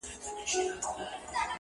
• ځه د جهاني وروستي خزان ته غزل ولیکو -